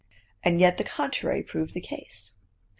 And yet the contrary proved the case.